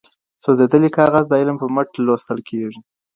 سوزېدلي کاغذ د علم په مټ لوستل کیږي.